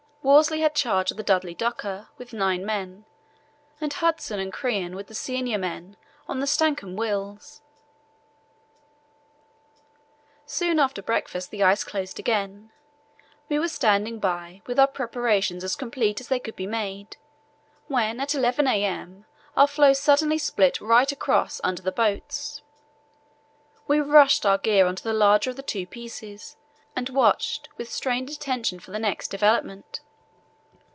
Worsley had charge of the Dudley Docker with nine men, and Hudson and Crean were the senior men on the Stancomb Wills. Soon after breakfast the ice closed again. We were standing by, with our preparations as complete as they could be made, when at 11 a.m. our floe suddenly split right across under the boats. We rushed our gear on to the larger of the two pieces and watched with strained attention for the next development.